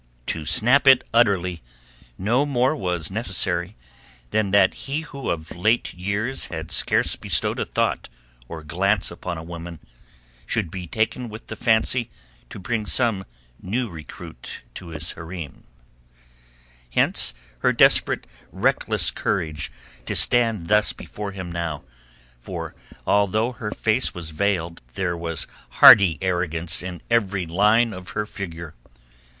To snap it utterly no more was necessary than that he who of late years had scarce bestowed a thought or glance upon a woman should be taken with the fancy to bring some new recruit to his hareem. Hence her desperate, reckless courage to stand thus before him now, for although her face was veiled there was hardy arrogance in every line of her figure.